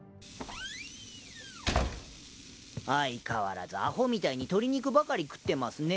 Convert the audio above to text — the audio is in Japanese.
相変わらずアホみたいに鶏肉ばかり食ってますね。